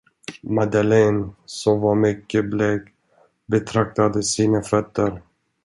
Madeleine, som var mycket blek, betraktade sina fötter.